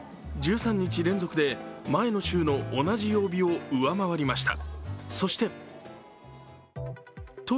１３日連続で前の週の同じ曜日を上回りました。